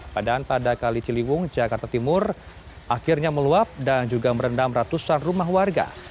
padahal pada kali ciliwung jakarta timur akhirnya meluap dan juga merendam ratusan rumah warga